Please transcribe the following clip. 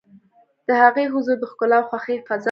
د هغې حضور د ښکلا او خوښۍ فضا خپروي.